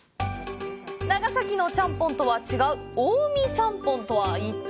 長崎のちゃんぽんとは違う「近江ちゃんぽん」とは一体！？